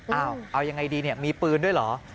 เอายังไงดีเนี่ยมีปืนด้วยเหรอ